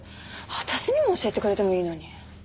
私にも教えてくれてもいいのに。